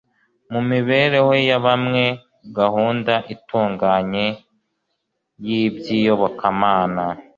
mu mibereho ya bamwe, gahunda itunganye y'iby'iyobokamana